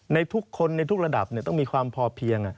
ในทุกคนในทุกระดับต้องมีความพอเพียง